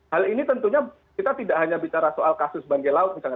hal ini tentunya kita tidak hanya bicara soal kasus banggai laut misalnya